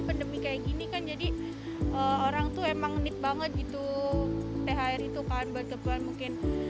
pandemi kayak gini kan jadi orang tuh emang nit banget gitu thr itu kan bertepuan mungkin